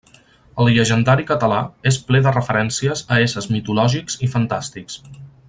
El llegendari català és ple de referències a éssers mitològics i fantàstics.